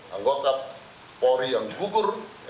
anggota mori yang gugur